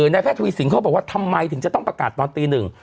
นายแพทย์ทวีสินเขาบอกว่าทำไมถึงจะต้องประกาศตอนตีหนึ่ง